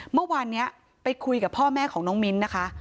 เมื่อวานนี้ไปคุยกับพ่อแม่ของน้องมิ้นนะคะ